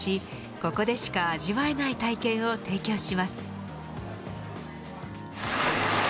ここでしか味わえない体験を提供します。